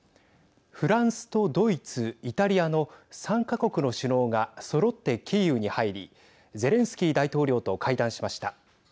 フランスとドイツ、イタリアの３か国の首脳がそろってキーウに入りゼレンスキー大統領と会談しました。